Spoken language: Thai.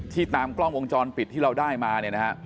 ที่ตามกล้องวงจรปิดที่เราได้มาเนี่ย